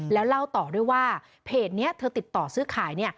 แล้วเล่าต่อด้วยว่าเพจนี้เธอติดต่อซื้อขาย